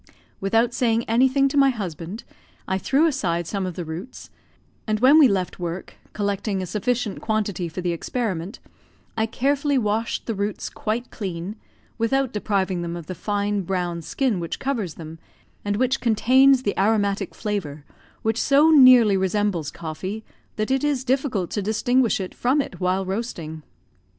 Without saying anything to my husband, I threw aside some of the roots, and when we left work, collecting a sufficient quantity for the experiment, I carefully washed the roots quite clean, without depriving them of the fine brown skin which covers them, and which contains the aromatic flavour, which so nearly resembles coffee that it is difficult to distinguish it from it while roasting.